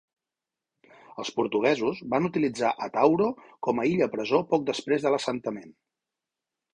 Els portuguesos van utilitzar Atauro com a illa presó poc després de l'assentament.